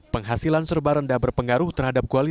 penghasilan serba rendah berpengaruh terhadap kota ini